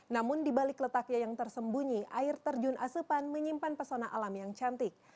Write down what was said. namun di balik letaknya yang tersembunyi air terjun asupan menyimpan pesona alam yang cantik